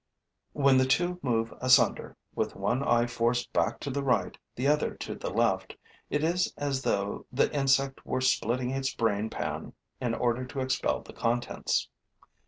When the two move asunder, with one eye forced back to the right, the other to the left, it is as though the insect were splitting its brain pan in order to expel the contents.